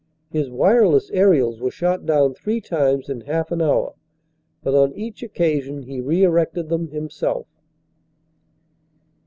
His wireless aerials were shot down three times in half an hour but on each occasion he re erected them himself.